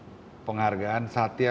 saya mendapat penghargaan satya